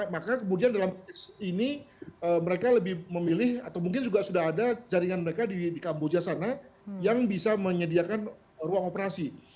maka kemudian dalam ini mereka lebih memilih atau mungkin juga sudah ada jaringan mereka di kamboja sana yang bisa menyediakan ruang operasi